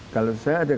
kalau saya ada